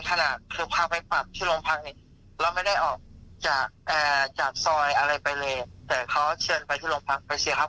แต่เขาเชิญไปที่หลวงพักไปเสียครับ